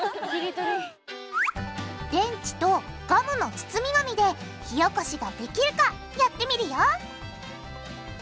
電池とガムの包み紙で火おこしができるかやってみるよ